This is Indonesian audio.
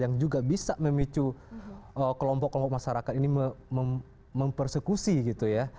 yang juga bisa memicu kelompok kelompok masyarakat ini mempersekusi gitu ya